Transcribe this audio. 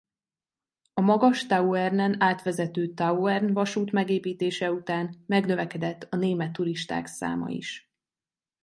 A Magas-Tauernen átvezető Tauern-vasút megépítése után megnövekedett a német turisták száma is.